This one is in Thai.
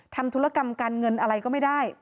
ธุรกรรมการเงินอะไรก็ไม่ได้